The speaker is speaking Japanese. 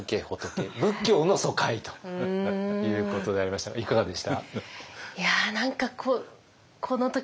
仏教の疎開ということでありましたがいかがでした？